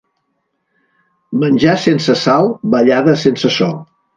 Menjar sense sal, ballada sense so.